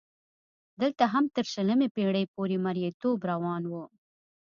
دلته هم تر شلمې پېړۍ پورې مریتوب روان و.